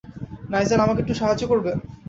Nigel, আমাকে একটু সাহায্য করবেন?